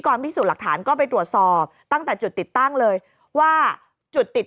พิสูจน์หลักฐานก็ไปตรวจสอบตั้งแต่จุดติดตั้งเลยว่าจุดติด